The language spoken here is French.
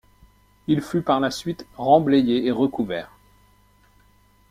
Il fut par la suite remblayé et recouvert.